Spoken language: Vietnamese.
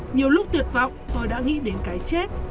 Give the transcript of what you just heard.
nhiều lúc tuyệt vọng tôi đã nghĩ đến cái chết